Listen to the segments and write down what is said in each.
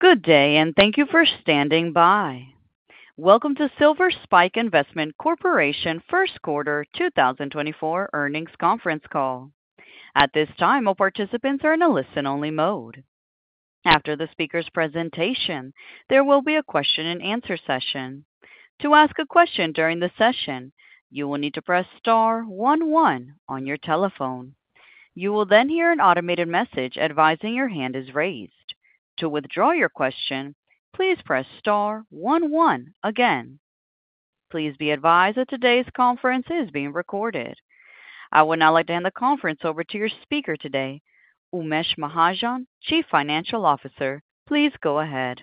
Good day, and thank you for standing by. Welcome to Silver Spike Investment Corporation First Quarter 2024 Earnings Conference Call. At this time, all participants are in a listen-only mode. After the speaker's presentation, there will be a question-and-answer session. To ask a question during the session, you will need to press star 11 on your telephone. You will then hear an automated message advising your hand is raised. To withdraw your question, please press star 11 again. Please be advised that today's conference is being recorded. I would now like to hand the conference over to your speaker today, Umesh Mahajan, Chief Financial Officer. Please go ahead.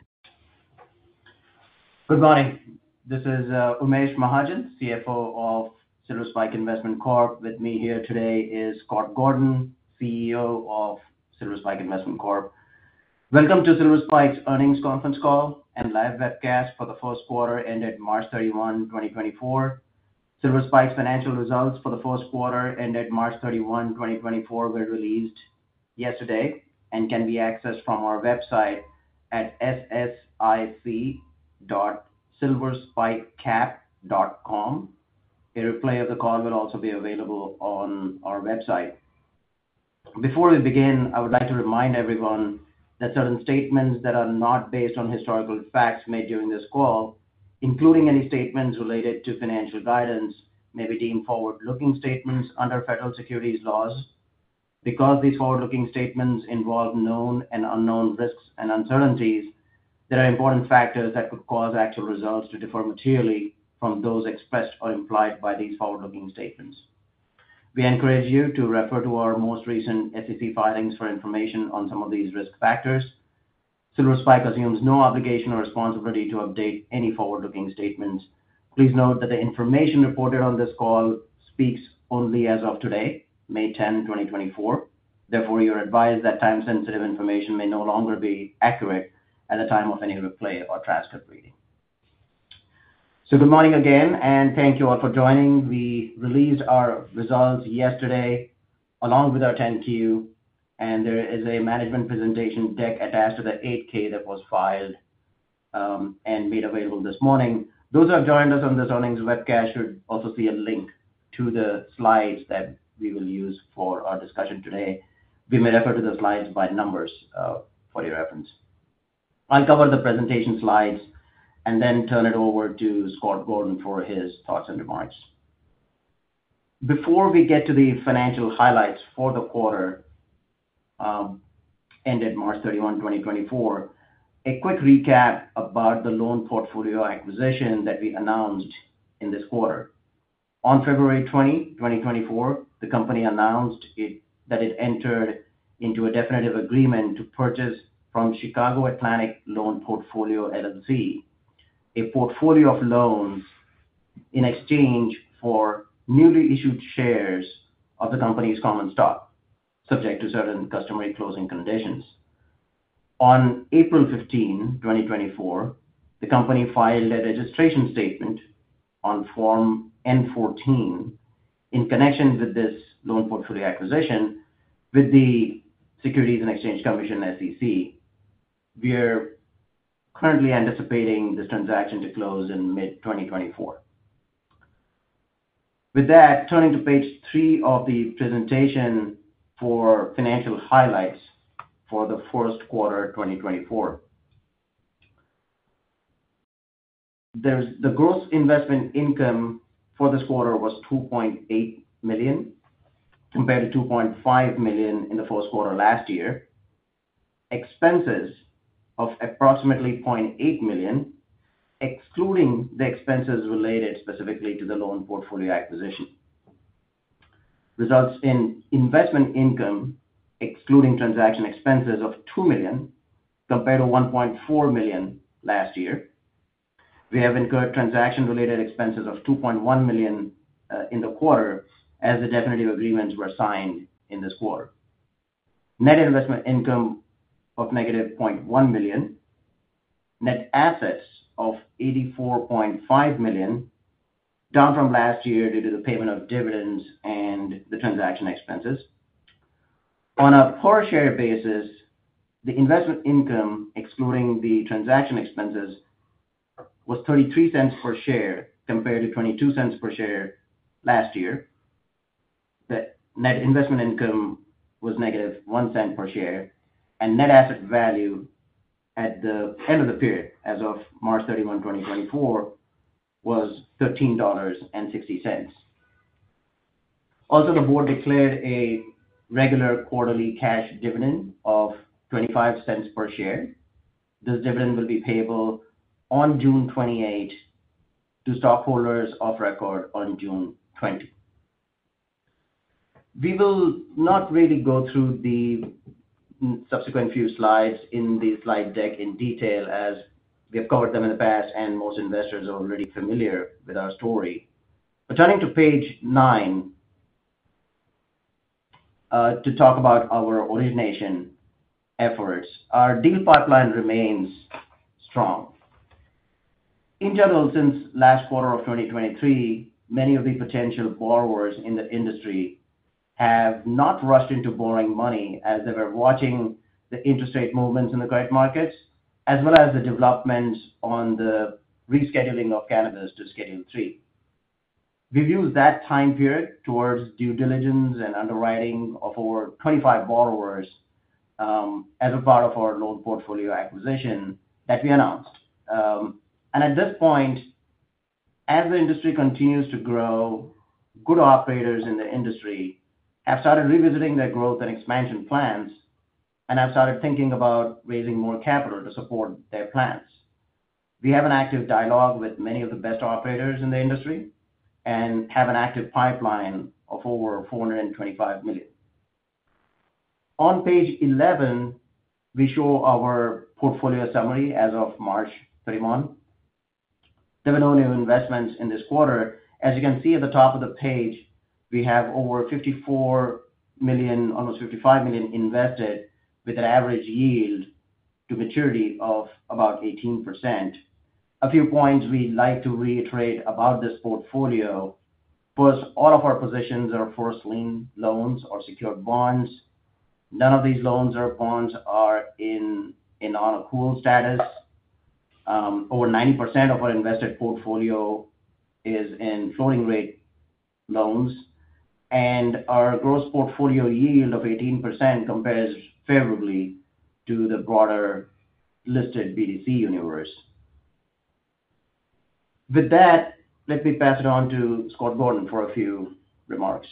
Good morning. This is Umesh Mahajan, CFO of Silver Spike Investment Corp. With me here today is Scott Gordon, CEO of Silver Spike Investment Corp. Welcome to Silver Spike's earnings conference call and live webcast for the first quarter ended March 31, 2024. Silver Spike's financial results for the first quarter ended March 31, 2024, were released yesterday and can be accessed from our website at ssic.silverspikecap.com. A replay of the call will also be available on our website. Before we begin, I would like to remind everyone that certain statements that are not based on historical facts made during this call, including any statements related to financial guidance, may be deemed forward-looking statements under federal securities laws. Because these forward-looking statements involve known and unknown risks and uncertainties, there are important factors that could cause actual results to differ materially from those expressed or implied by these forward-looking statements. We encourage you to refer to our most recent SEC filings for information on some of these risk factors. Silver Spike assumes no obligation or responsibility to update any forward-looking statements. Please note that the information reported on this call speaks only as of today, May 10, 2024. Therefore, you're advised that time-sensitive information may no longer be accurate at the time of any replay or transcript reading. So good morning again, and thank you all for joining. We released our results yesterday along with our 10Q, and there is a management presentation deck attached to the 8K that was filed and made available this morning. Those who have joined us on this earnings webcast should also see a link to the slides that we will use for our discussion today. You may refer to the slides by numbers for your reference. I'll cover the presentation slides and then turn it over to Scott Gordon for his thoughts and remarks. Before we get to the financial highlights for the quarter ended March 31, 2024, a quick recap about the loan portfolio acquisition that we announced in this quarter. On February 20, 2024, the company announced that it entered into a definitive agreement to purchase from Chicago Atlantic Loan Portfolio, LLC, a portfolio of loans in exchange for newly issued shares of the company's common stock, subject to certain customary closing conditions. On April 15, 2024, the company filed a registration statement on Form N-14 in connection with this loan portfolio acquisition with the Securities and Exchange Commission, SEC. We are currently anticipating this transaction to close in mid-2024. With that, turning to page 3 of the presentation for financial highlights for the first quarter 2024, the gross investment income for this quarter was $2.8 million compared to $2.5 million in the first quarter last year. Expenses of approximately $0.8 million, excluding the expenses related specifically to the loan portfolio acquisition, results in investment income excluding transaction expenses of $2 million compared to $1.4 million last year. We have incurred transaction-related expenses of $2.1 million in the quarter as the definitive agreements were signed in this quarter. Net investment income of negative $0.1 million. Net assets of $84.5 million, down from last year due to the payment of dividends and the transaction expenses. On a per-share basis, the investment income excluding the transaction expenses was $0.33 per share compared to $0.22 per share last year. The net investment income was -$0.01 per share, and net asset value at the end of the period, as of March 31, 2024, was $13.60. Also, the board declared a regular quarterly cash dividend of $0.25 per share. This dividend will be payable on June 28 to stockholders of record on June 20. We will not really go through the subsequent few slides in the slide deck in detail as we have covered them in the past, and most investors are already familiar with our story. But turning to page 9 to talk about our origination efforts, our deal pipeline remains strong. In general, since last quarter of 2023, many of the potential borrowers in the industry have not rushed into borrowing money as they were watching the interest rate movements in the credit markets, as well as the developments on the rescheduling of cannabis to Schedule III. We've used that time period towards due diligence and underwriting of over 25 borrowers as a part of our loan portfolio acquisition that we announced. At this point, as the industry continues to grow, good operators in the industry have started revisiting their growth and expansion plans and have started thinking about raising more capital to support their plans. We have an active dialogue with many of the best operators in the industry and have an active pipeline of over $425 million. On page 11, we show our portfolio summary as of March 31. There were no new investments in this quarter. As you can see at the top of the page, we have over $54 million, almost $55 million, invested with an average yield to maturity of about 18%. A few points we'd like to reiterate about this portfolio. First, all of our positions are first lien loans or secured bonds. None of these loans or bonds are in non-accrual status. Over 90% of our invested portfolio is in floating-rate loans, and our gross portfolio yield of 18% compares favorably to the broader listed BDC universe. With that, let me pass it on to Scott Gordon for a few remarks.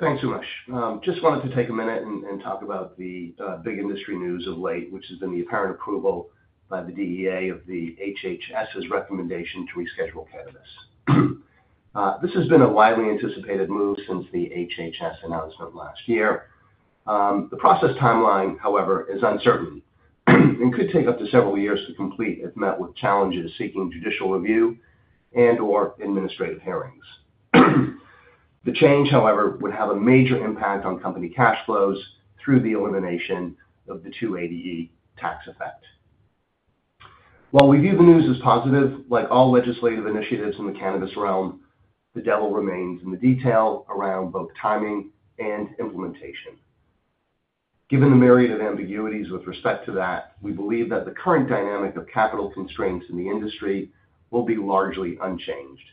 Thanks, Umesh. Just wanted to take a minute and talk about the big industry news of late, which has been the apparent approval by the DEA of the HHS's recommendation to reschedule cannabis. This has been a widely anticipated move since the HHS announcement last year. The process timeline, however, is uncertain and could take up to several years to complete if met with challenges seeking judicial review and/or administrative hearings. The change, however, would have a major impact on company cash flows through the elimination of the 280E tax effect. While we view the news as positive, like all legislative initiatives in the cannabis realm, the devil remains in the detail around both timing and implementation. Given the myriad of ambiguities with respect to that, we believe that the current dynamic of capital constraints in the industry will be largely unchanged,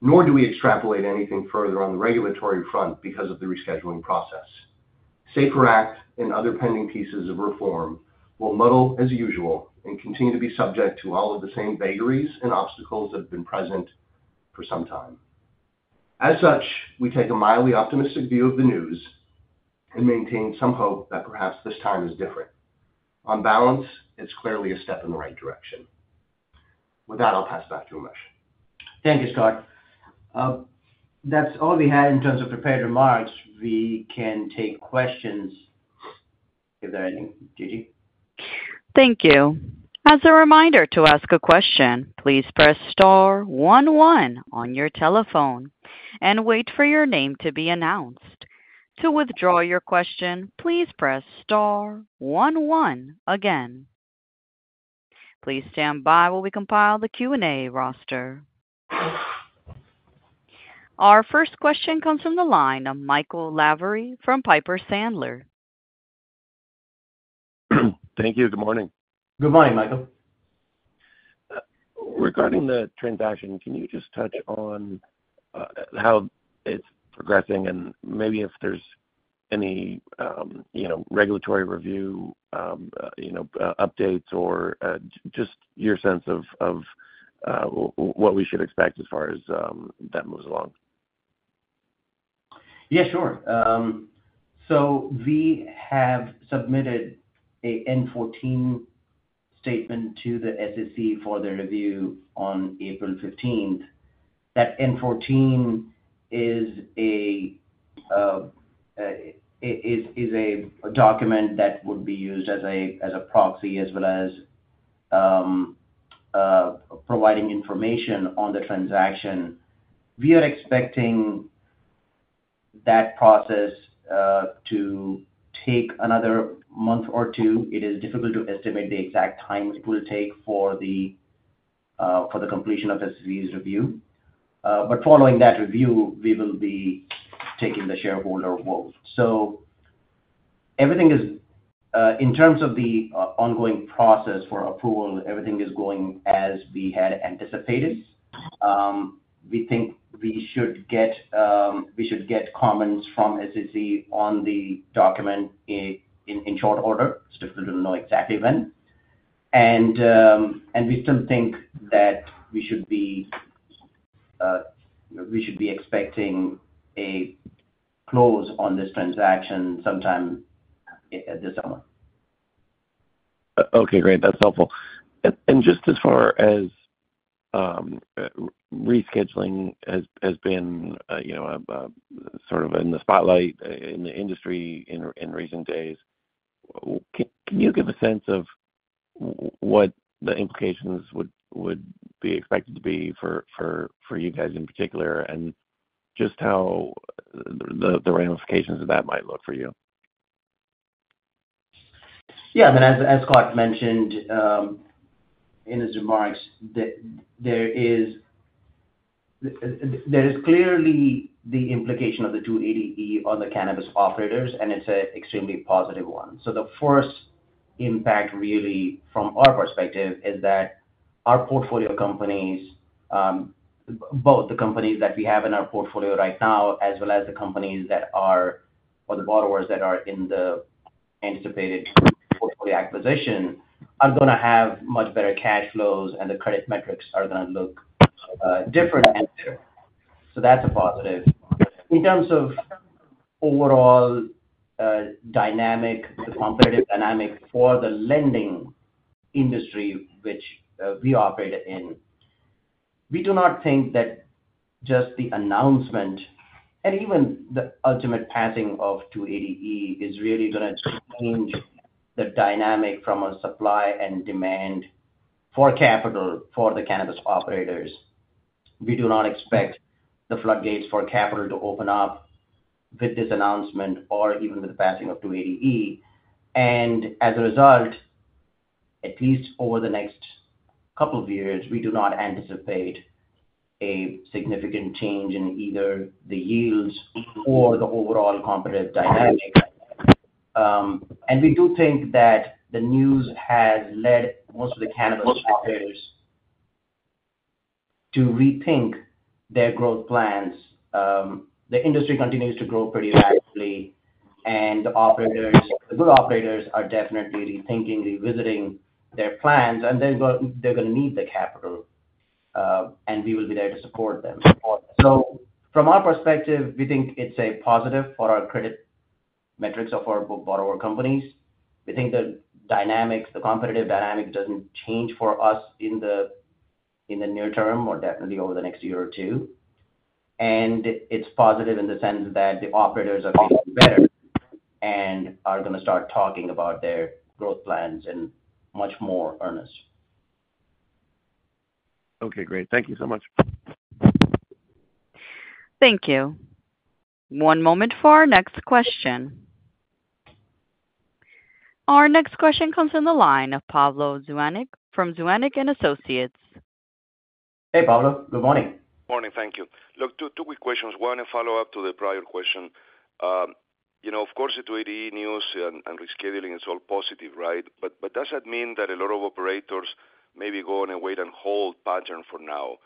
nor do we extrapolate anything further on the regulatory front because of the rescheduling process. SAFER Act and other pending pieces of reform will muddle as usual and continue to be subject to all of the same vagaries and obstacles that have been present for some time. As such, we take a mildly optimistic view of the news and maintain some hope that perhaps this time is different. On balance, it's clearly a step in the right direction. With that, I'll pass back to Umesh. Thank you, Scott. That's all we had in terms of prepared remarks. We can take questions if there are any, Gigi. Thank you. As a reminder to ask a question, please press star 11 on your telephone and wait for your name to be announced. To withdraw your question, please press star 11 again. Please stand by while we compile the Q&A roster. Our first question comes from the line of Michael Lavery from Piper Sandler. Thank you. Good morning. Good morning, Michael. Regarding the transaction, can you just touch on how it's progressing and maybe if there's any regulatory review updates or just your sense of what we should expect as far as that moves along? Yeah, sure. So we have submitted an N-14 statement to the SEC for their review on April 15th. That N-14 is a document that would be used as a proxy as well as providing information on the transaction. We are expecting that process to take another month or two. It is difficult to estimate the exact time it will take for the completion of SEC's review. But following that review, we will be taking the shareholder vote. So in terms of the ongoing process for approval, everything is going as we had anticipated. We think we should get comments from SEC on the document in short order. It's difficult to know exactly when. And we still think that we should be expecting a close on this transaction sometime this summer. Okay, great. That's helpful. Just as far as rescheduling has been sort of in the spotlight in the industry in recent days, can you give a sense of what the implications would be expected to be for you guys in particular and just how the ramifications of that might look for you? Yeah. I mean, as Scott mentioned in his remarks, there is clearly the implication of the 280E on the cannabis operators, and it's an extremely positive one. So the first impact really from our perspective is that our portfolio companies, both the companies that we have in our portfolio right now as well as the companies or the borrowers that are in the anticipated portfolio acquisition, are going to have much better cash flows, and the credit metrics are going to look different and better. So that's a positive. In terms of overall competitive dynamic for the lending industry, which we operate in, we do not think that just the announcement and even the ultimate passing of 280E is really going to change the dynamic from a supply and demand for capital for the cannabis operators. We do not expect the floodgates for capital to open up with this announcement or even with the passing of 280E. As a result, at least over the next couple of years, we do not anticipate a significant change in either the yields or the overall competitive dynamic. We do think that the news has led most of the cannabis operators to rethink their growth plans. The industry continues to grow pretty rapidly, and the good operators are definitely rethinking, revisiting their plans, and they're going to need the capital, and we will be there to support them. From our perspective, we think it's a positive for our credit metrics of our borrower companies. We think the competitive dynamic doesn't change for us in the near term or definitely over the next year or two. It's positive in the sense that the operators are feeling better and are going to start talking about their growth plans in much more earnest. Okay, great. Thank you so much. Thank you. One moment for our next question. Our next question comes from the line of Pablo Zuanic from Zuanic & Associates. Hey, Pablo. Good morning. Good morning. Thank you. Look, two quick questions. One, a follow-up to the prior question. Of course, the 280E news and rescheduling, it's all positive, right? But does that mean that a lot of operators maybe go on a wait-and-hold pattern for now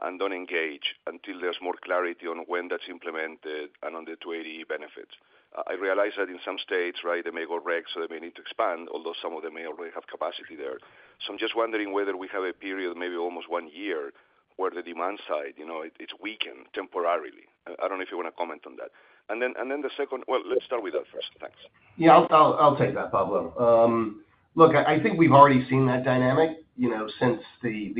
and don't engage until there's more clarity on when that's implemented and on the 280E benefits? I realize that in some states, right, they may go rec so they may need to expand, although some of them may already have capacity there. So I'm just wondering whether we have a period, maybe almost one year, where the demand side, it's weakened temporarily. I don't know if you want to comment on that. And then the second, well, let's start with that first. Thanks. Yeah, I'll take that, Pablo. Look, I think we've already seen that dynamic since the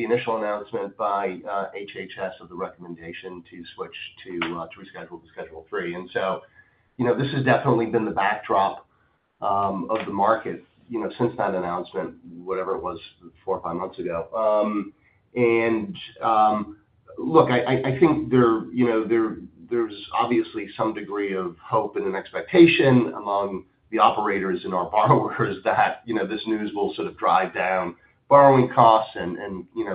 initial announcement by HHS of the recommendation to reschedule to Schedule III. And so this has definitely been the backdrop of the market since that announcement, whatever it was, four or five months ago. And look, I think there's obviously some degree of hope and an expectation among the operators and our borrowers that this news will sort of drive down borrowing costs and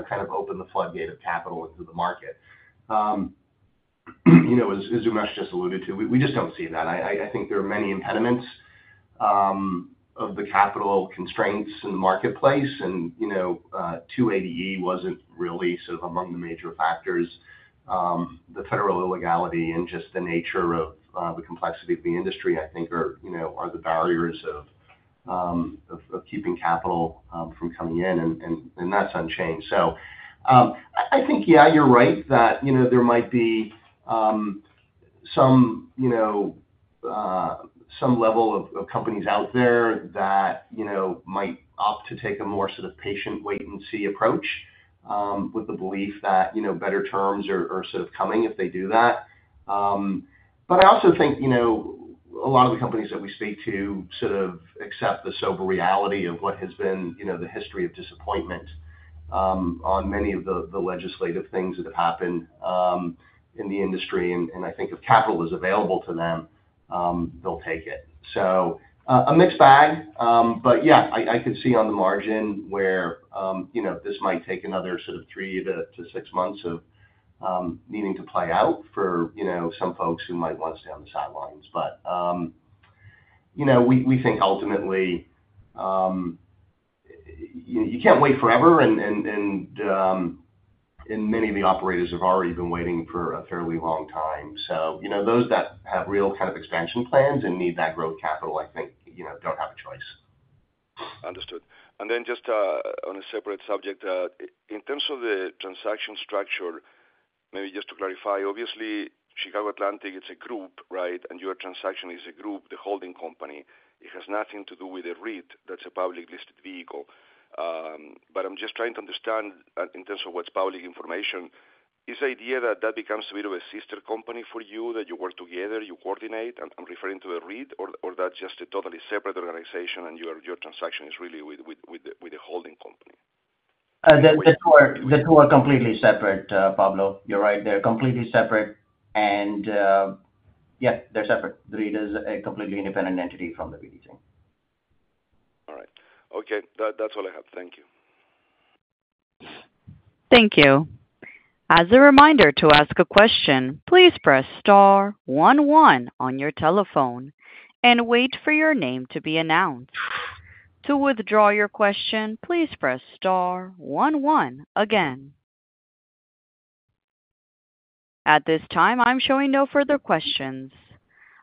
kind of open the floodgate of capital into the market. As Umesh just alluded to, we just don't see that. I think there are many impediments of the capital constraints in the marketplace, and 280E wasn't really sort of among the major factors. The federal illegality and just the nature of the complexity of the industry, I think, are the barriers of keeping capital from coming in, and that's unchanged. So I think, yeah, you're right that there might be some level of companies out there that might opt to take a more sort of patient wait-and-see approach with the belief that better terms are sort of coming if they do that. But I also think a lot of the companies that we speak to sort of accept the sober reality of what has been the history of disappointment on many of the legislative things that have happened in the industry. And I think if capital is available to them, they'll take it. So a mixed bag. But yeah, I could see on the margin where this might take another sort of 3-6 months of needing to play out for some folks who might want us down the sidelines. But we think ultimately, you can't wait forever, and many of the operators have already been waiting for a fairly long time. So those that have real kind of expansion plans and need that growth capital, I think, don't have a choice. Understood. And then just on a separate subject, in terms of the transaction structure, maybe just to clarify, obviously, Chicago Atlantic, it's a group, right? And your transaction is a group, the holding company. It has nothing to do with a REIT that's a publicly listed vehicle. But I'm just trying to understand in terms of what's public information, is the idea that that becomes a bit of a sister company for you, that you work together, you coordinate? I'm referring to a REIT, or that's just a totally separate organization and your transaction is really with a holding company? The two are completely separate, Pablo. You're right. They're completely separate. Yeah, they're separate. The REIT is a completely independent entity from the BDC. All right. Okay. That's all I have. Thank you. Thank you. As a reminder to ask a question, please press star 11 on your telephone and wait for your name to be announced. To withdraw your question, please press star 11 again. At this time, I'm showing no further questions.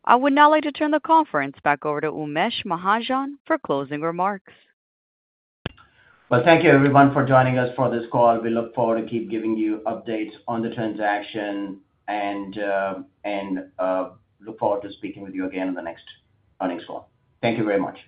I would now like to turn the conference back over to Umesh Mahajan for closing remarks. Well, thank you, everyone, for joining us for this call. We look forward to keep giving you updates on the transaction and look forward to speaking with you again in the next earnings call. Thank you very much.